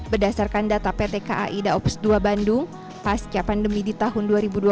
berdasarkan data pt kai daops dua bandung pasca pandemi di tahun dua ribu dua puluh